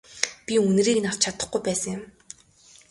Би үнэрийг авч чадахгүй байсан юм.